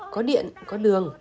có điện có đường